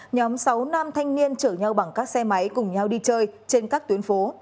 nhóm sáu nam thanh niên chở nhau bằng các xe máy cùng nhau đi chơi trên các tuyến phố